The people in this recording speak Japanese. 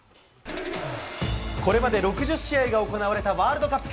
これまで６０試合が行われたワールドカップ。